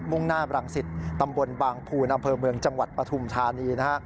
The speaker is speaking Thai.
่งหน้าบรังสิตตำบลบางภูนอำเภอเมืองจังหวัดปฐุมธานีนะฮะ